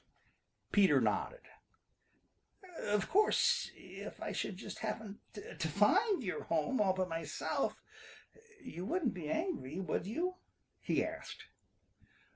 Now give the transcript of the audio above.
Peter nodded. "Of course if I should just happen to find your home all by myself, you wouldn't be angry, would you?" he asked.